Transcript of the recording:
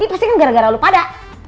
itu pasti kan gara gara lu pada